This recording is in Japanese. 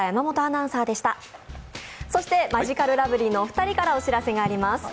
マヂカルラブリーのお二人からお知らせがあります。